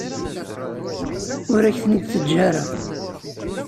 Ur ak-ten-id-teǧǧa ara.